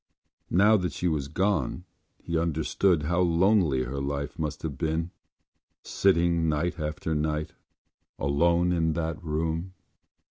Now that she was gone he understood how lonely her life must have been, sitting night after night alone in that room.